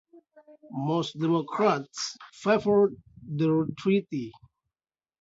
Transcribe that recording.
Most Democrats favored the treaty.